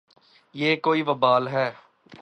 یہ کوئی وبال ہے۔